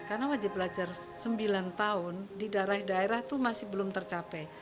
karena wajib belajar sembilan tahun di daerah daerah itu masih belum tercapai